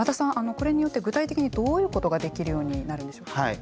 これによって具体的にどういうことができるようになるんでしょうか。